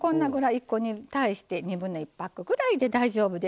１個に対して1/2パックくらいで大丈夫です。